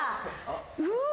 うわ。